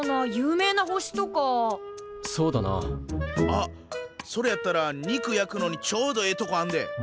あっそれやったら肉焼くのにちょうどええとこあんで！